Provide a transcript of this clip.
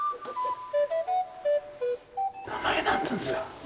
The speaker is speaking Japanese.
名前なんていうんですか？